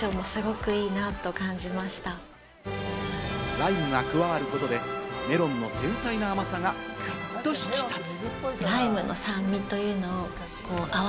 ライムが加わることでメロンの繊細な甘さが、グッと引き立つ。